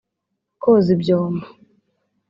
Koza ibyombo